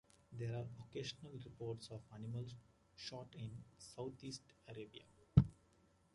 There are occasional reports of animals shot in southeast Arabia.